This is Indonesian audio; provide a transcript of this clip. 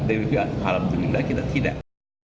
alhamdulillah kita tidak